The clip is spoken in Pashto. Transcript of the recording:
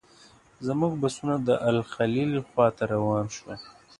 زموږ بسونه د الخلیل خواته روان شول.